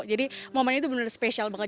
jadi momen itu benar benar spesial banget